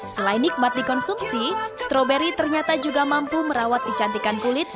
selain nikmat dikonsumsi stroberi ternyata juga mampu merawat kecantikan kulit